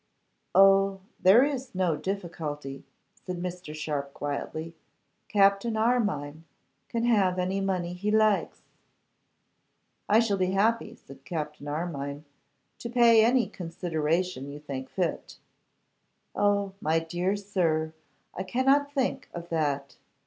'Oh! there is no difficulty,' said Mr. Sharpe quietly. 'Captain Armine can have any money he likes.' 'I shall be happy,' said Captain Armine, 'to pay any consideration you think fit.' 'Oh! my dear sir, I cannot think of that.